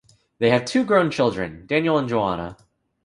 They have two grown children, Daniel and Joanna.